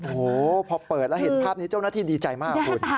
โอ้โหพอเปิดแล้วเห็นภาพนี้เจ้าหน้าที่ดีใจมากคุณ